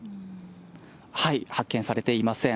発見されていません。